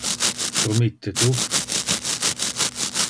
Promitte tu?